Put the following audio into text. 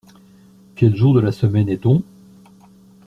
Quel jour de le semaine est-on ?